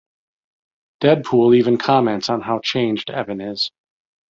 Deadpool even comments on how changed Evan is.